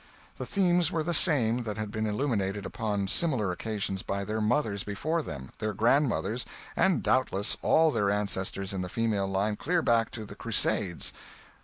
The themes were the same that had been illuminated upon similar occasions by their mothers before them, their grandmothers, and doubtless all their ancestors in the female line clear back to the Crusades.